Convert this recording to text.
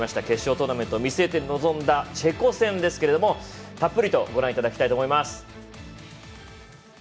決勝トーナメントを見据えて臨んだチェコ戦ですけれどもたっぷりとご覧いただきたいと思います。